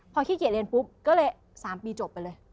พอขี้เกียจเรียนปุ๊บก็เลย๓ปีจบไปเลย